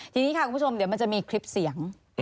ทีนี้ค่ะคุณผู้ชมเดี๋ยวมันจะมีคลิปเสียง